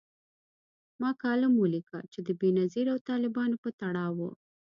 ما کالم ولیکه چي د بېنظیر او طالبانو په تړاو و